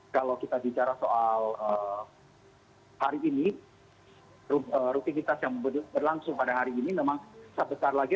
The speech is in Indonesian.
kalau kita bicara soal hari ini rutinitas yang berlangsung pada hari ini memang sebesar lagi